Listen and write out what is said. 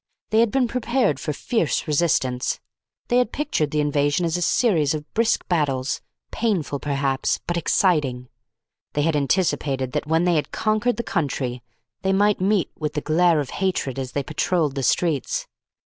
They had been prepared for fierce resistance. They had pictured the invasion as a series of brisk battles painful perhaps, but exciting. They had anticipated that when they had conquered the country they might meet with the Glare of Hatred as they patrolled the streets.